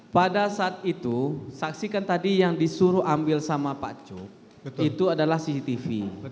pada saat itu saksikan tadi yang disuruh ambil sama pak cuk itu adalah cctv